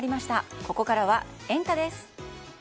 ここからはエンタ！です。